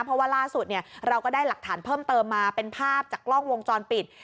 เพราะว่าล่าสุดเราก็ได้หลักฐานเพิ่มเติมมาเป็นภาพจากกล้องวงจรปิด